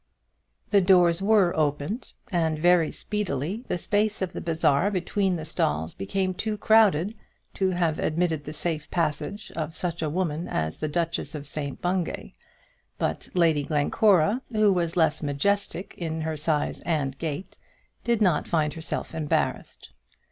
The doors were opened, and very speedily the space of the bazaar between the stalls became too crowded to have admitted the safe passage of such a woman as the Duchess of St Bungay; but Lady Glencora, who was less majestic in her size and gait, did not find herself embarrassed.